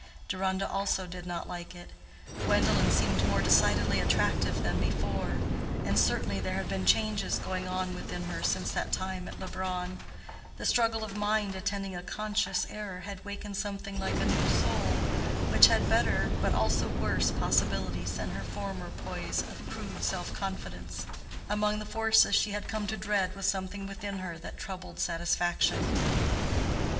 Deronda also did not dislike it. Gwendolen seemed more decidedly attractive than before; and certainly there had been changes going on within her since that time at Leubronn: the struggle of mind attending a conscious error had wakened something like a new soul, which had better, but also worse, possibilities than her former poise of crude self confidence: among the forces she had come to dread was something within her that troubled satisfaction.